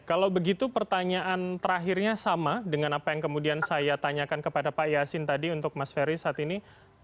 kalau begitu pertanyaan terakhirnya sama dengan apa yang kemudian saya tanyakan kepada pak yasin tadi untuk mas ferry saat ini